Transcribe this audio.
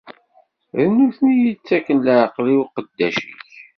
D nutni i yettaken leɛqel i uqeddac-ik.